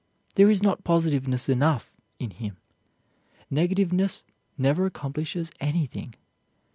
There is not positiveness enough in him; negativeness never accomplishes anything.